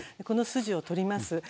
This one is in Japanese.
この筋を取ります。